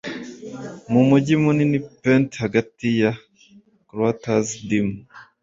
mu mujyi munini, pent 'hagati ya cloisters dim